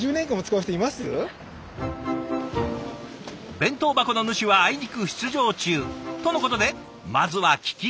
弁当箱の主はあいにく出場中とのことでまずは聞き込み。